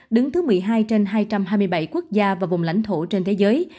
đứng thứ một mươi hai trên hai trăm hai mươi bảy quốc gia và vùng lãnh thổ trên thế giới